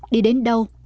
đi đến đâu